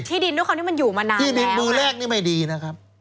ดินด้วยความที่มันอยู่มานานที่ดินมือแรกนี่ไม่ดีนะครับ